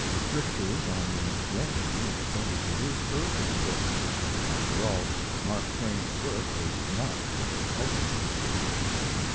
Strictures on the Yankee extended to his earlier books. After all, Mark Twain's work was not for the cultivated class.